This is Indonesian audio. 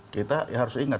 kita harus ingat